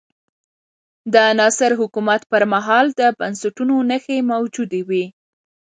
د ناصر حکومت پر مهال د بنسټونو نښې موجودې وې.